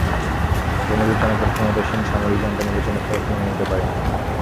তবে নির্বাচনের পর ক্ষমতাসীন সামরিক জান্তা নির্বাচনী ফলাফল মেনে নিতে পারেনি।